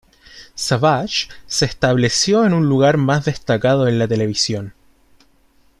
Savage se estableció en un lugar más destacado en la televisión.